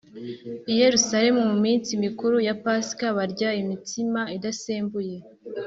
i Yerusalemu mu minsi mikuru ya pasika barya imitsima idasembuye